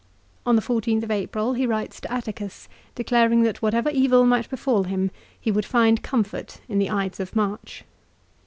On the 14th of April he writes to Atticus, declaring that whatever evil might befall him he would find com fort in the Ides of March.